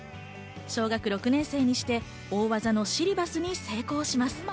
小学６年生にして大技のシリバスに成功します。